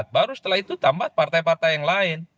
baru setelah itu tambah partai partai yang lain